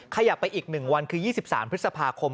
ขยับไปอีก๑วันคือ๒๓พฤษภาคม